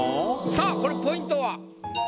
さあこれポイントは？